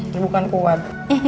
dia bukan kuat